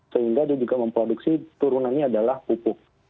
sehingga dia juga memproduksi turunannya adalah pupuk